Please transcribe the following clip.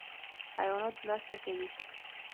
حیوانات مرسته کوي.